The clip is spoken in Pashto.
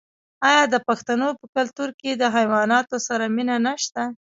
آیا د پښتنو په کلتور کې د حیواناتو سره مینه نشته؟